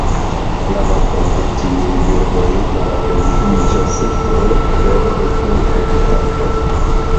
La nombroj de tiuj birdoj malpliiĝas pro perdo de habitato.